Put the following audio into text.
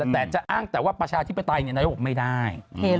แต่จะอ้างแต่ว่าประชาธิปไตยนายกบอกไม่ได้